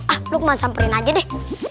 ah lukman samperin aja deh